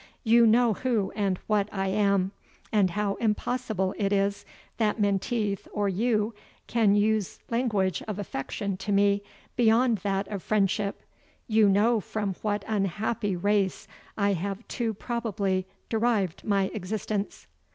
You know who and what I am, and how impossible it is that Menteith or you can use language of affection to me, beyond that of friendship. You know from what unhappy race I have too probably derived my existence."